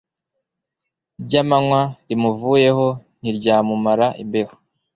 ryamanywa rimuvuyeho ntiryamumara imbeho